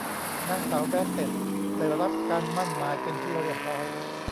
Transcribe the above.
นางสาว แบสเส็ตท์ ได้รับการหมั้นหมายเป็นที่เรียบร้อย